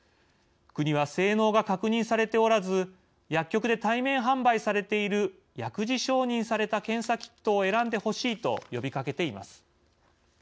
国は、性能が確認されておらず薬局で対面販売されている薬事承認された検査キットを選んでほしいと呼びかけています。